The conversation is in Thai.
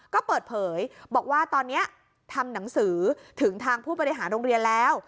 ก็เปิดเผยบอกว่าตอนนี้ทำหนังสือถึงทางผู้บริหารโรงเรียนแล้ว